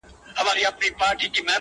مخ ځيني واړوه ته-